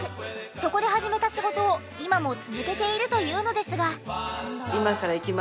そこで始めた仕事を今も続けているというのですが。